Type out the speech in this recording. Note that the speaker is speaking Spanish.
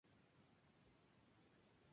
Masaya Sato